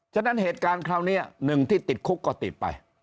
ฉะนั้นเหตุการณ์คราวนี้หนึ่งที่ติดคุกก็ติดไป